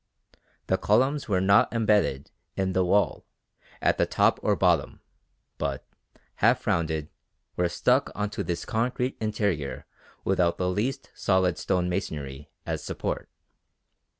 The columns were not embedded in the wall at the top or bottom, but, half rounded, were stuck on to this concrete interior without the least solid stone masonry as support.